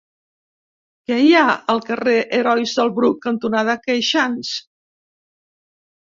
Què hi ha al carrer Herois del Bruc cantonada Queixans?